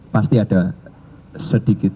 pasti ada sedikit